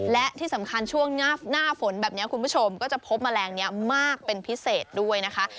และที่สำคัญช่วงหน้าฝนแบบนี้คุณผู้ชมก็จะพบแมลงนี้มากเป็นพิเศษด้วยนะคะ